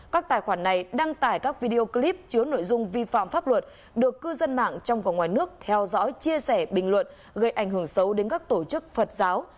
các tài khoản này đăng tải các video clip chứa nội dung vi phạm pháp luật được cư dân mạng trong và ngoài nước theo dõi chia sẻ bình luận gây ảnh hưởng xấu đến các tổ chức phật giáo